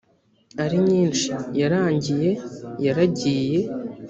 ari nyinshi yarangiye yaragiye